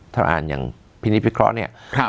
ถ้าอ่านอย่างพินิพิเคราะห์เนี่ย